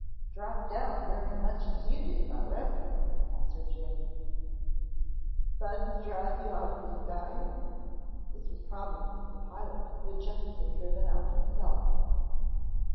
"Dropped down very much as you did, I reckon," answered Jim. "Bugs drive you out of the sky?" This was probably the pilot who had just been driven out himself.